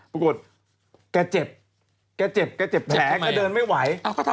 ปรากฏแกเจ็บแกเจ็บแกเจ็บแผลแกเดินไม่ไหว